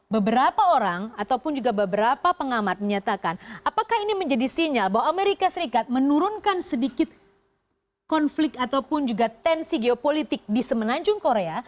beberapa orang ataupun juga beberapa pengamat menyatakan apakah ini menjadi sinyal bahwa amerika serikat menurunkan sedikit konflik ataupun juga tensi geopolitik di semenanjung korea